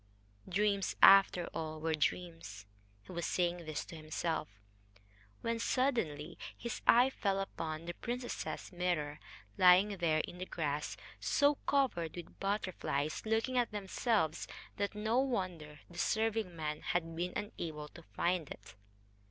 Dreams, after all, were dreams.... He was saying this to himself, when suddenly his eye fell upon the princess's mirror, lying there in the grass so covered with butterflies, looking at themselves, that no wonder the serving men had been unable to find it.